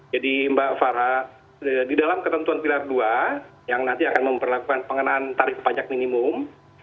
jadi mbak farah di dalam ketentuan pilar dua yang nanti akan memperlakukan pengenalan tarif pajak minimum